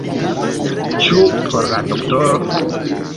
Ĉu por la doktoro?